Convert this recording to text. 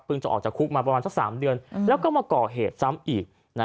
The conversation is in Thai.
จะออกจากคุกมาประมาณสัก๓เดือนแล้วก็มาก่อเหตุซ้ำอีก